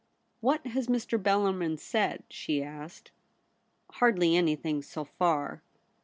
' What has Mr. Bellarmln said ?' she asked. ' Hardly anything, so far.'